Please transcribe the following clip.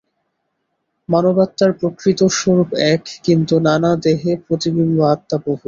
মানবাত্মার প্রকৃত স্বরূপ এক, কিন্তু নানা দেহে প্রতিবিম্ব-আত্মা বহু।